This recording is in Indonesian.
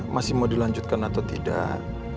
masih mau dilanjutkan atau tidak